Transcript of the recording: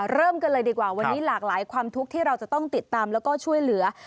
เริ่มกันเลยดีกว่าวันนี้หลากหลายความทุกข์ที่เราจะต้องติดตามแล้วก็ช่วยเหลือ